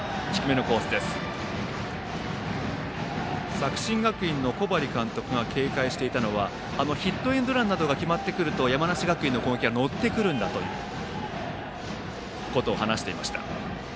作新学院の小針監督が警戒していたのはヒットエンドランなどが決まってくると山梨学院の攻撃は乗ってくるんだということを話していました。